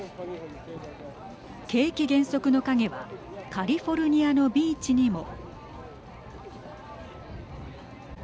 景気減速の影はカリフォルニアのビーチにも。